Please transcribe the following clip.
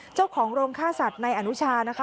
เจ้าของโรงฆ่าสัตว์ในอนุชานะคะ